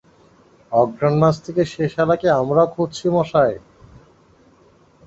অঘ্রাণ মাস থেকে সে শালাকে আমরাও খুঁজছি মশায়।